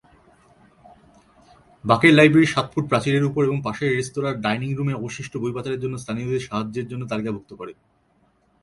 বাকের লাইব্রেরির সাত ফুট প্রাচীরের উপর এবং পাশের রেস্তোরাঁর ডাইনিং রুমে অবশিষ্ট বই পাচারের জন্য স্থানীয়দের সাহায্যের জন্য তালিকাভুক্ত করে।